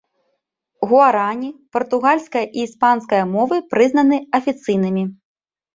Гуарані, партугальская і іспанская мовы прызнаныя афіцыйнымі.